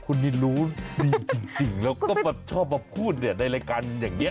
คุณนี่รู้ดีจริงแล้วก็ชอบมาพูดในรายการอย่างนี้